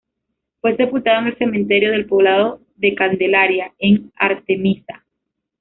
Fue sepultado en el cementerio del poblado de Candelaria en Artemisa.